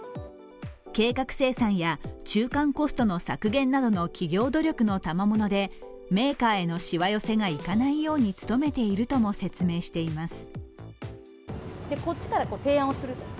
計画生産や中間コストの削減などの企業努力のたまものでメーカーへのしわ寄せがいかないように努めているとも説明しています。